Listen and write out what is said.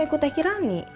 ikut teh kirani